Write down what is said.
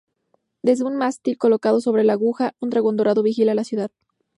Desde un mástil colocado sobre la aguja, un dragón dorado vigila la ciudad.